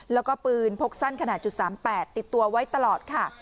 แล้วก็ปืนพกสั้นขนาด๓๘ติดตัวไว้ตลอดค่ะ